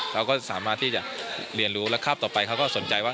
เราก็สามารถที่จะเรียนรู้แล้วคราบต่อไปเขาก็สนใจว่า